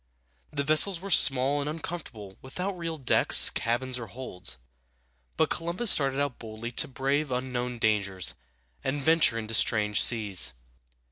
The vessels were small and uncomfortable, without real decks, cabins, or holds; but Columbus started out boldly to brave unknown dangers and venture into strange seas.